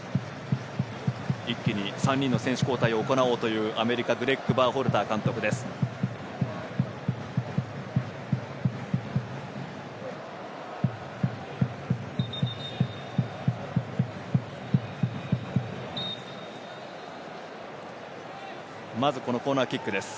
一気に３人の選手交代を行おうというアメリカのグレッグ・バーホルター監督です。